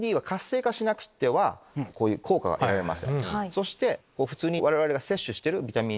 そして普通に我々が摂取している。